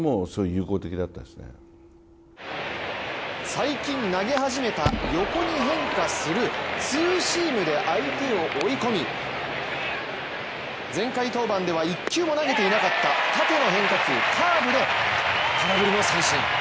最近投げ始めた横に変化するツーシームで相手を追い込み前回登板では１球も投げていなかった縦の変化球カーブで、空振り三振。